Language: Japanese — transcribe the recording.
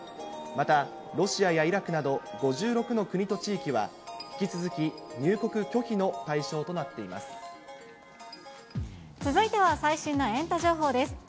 また、ロシアやイラクなど、５６の国と地域は、引き続き、続いては最新のエンタ情報です。